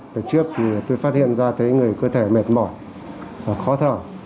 trước thì tôi phát hiện ra thấy người cơ thể mệt mỏi và khó thở